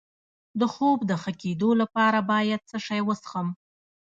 د خوب د ښه کیدو لپاره باید څه شی وڅښم؟